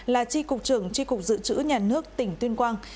là tri cục trưởng tri cục dự trữ nhà nước tỉnh tuyên quang